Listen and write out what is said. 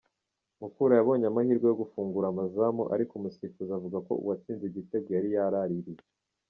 Mukura yabonye amahirwe yo gufungura amazamu ariko umusifuzi avuga ko uwatsinze igitego yari yaraririye.